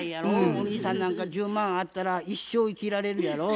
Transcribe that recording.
お兄さんなんか１０万あったら一生生きられるやろ？